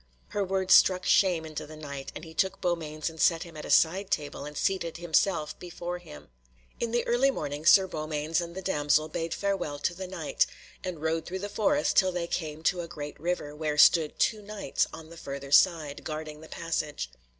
Her words struck shame into the Knight, and he took Beaumains and set him at a side table, and seated himself before him. In the early morning Sir Beaumains and the damsel bade farewell to the Knight, and rode through the forest till they came to a great river, where stood two Knights on the further side, guarding the passage.